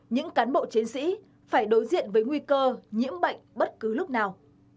những cán bộ chiến sĩ phải đối diện với nguy cơ nhiễm bệnh bất cứ lúc nào